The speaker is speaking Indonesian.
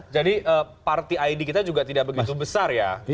jadi party id kita juga tidak begitu besar ya